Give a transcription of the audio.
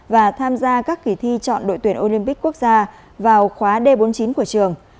và tham gia các kỳ thi chọn đội tuyển olympic quốc gia vào khóa d bốn mươi chín của trường